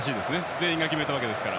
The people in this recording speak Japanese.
全員が決めたわけですから。